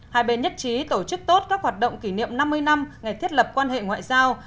hai bên nhất trí tổ chức tốt các hoạt động kỷ niệm năm mươi năm ngày thiết lập quan hệ ngoại giao